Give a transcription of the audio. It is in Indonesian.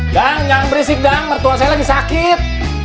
ceng jangan berisik ceng mertua saya lagi sakit